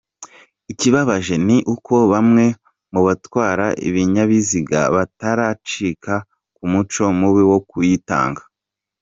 Ikibabaje ni uko bamwe mu batwara ibinyabiziga bataracika ku muco mubi wo kuyitanga."